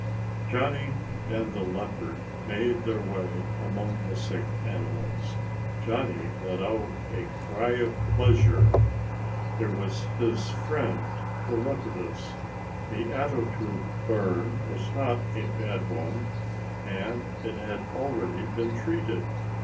Johnny and the leopard made their way among the sick animals. Johnny let out a cry of pleasure. There was his friend the leopardess. The ato tube burn was not a bad one, and it had already been treated.